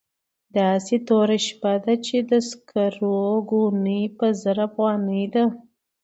داسې توره شپه ده چې د سکرو ګونۍ په زر افغانۍ ده.